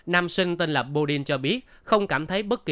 nam sinh tên là bodin cho biết không cảm thấy bất kỳ